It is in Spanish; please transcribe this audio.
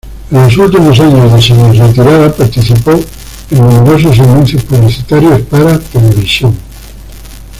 En los últimos años de semi-retirada, participó en numerosos anuncios publicitarios para televisión.